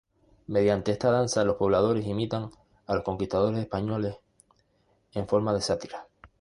Mediante esta danza los pobladores imitan a los conquistadores españoles, en forma de sátira.